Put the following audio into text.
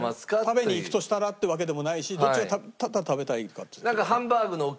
食べに行くとしたらってわけでもないしどっちをただ食べたいかって。